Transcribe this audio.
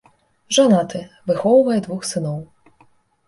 Жанаты, выхоўвае двух сыноў.